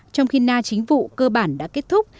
trong khi na chính vụ cơ bản đã kết thúc